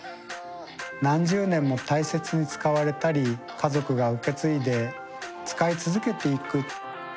何十年も大切に使われたり家族が受け継いで使い続けていく。